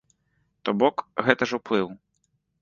То бок, гэта ж уплыў.